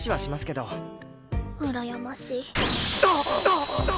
うらやましい。